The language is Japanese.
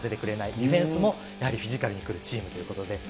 ディフェンスも、やはりフィジカルに来るチームということで。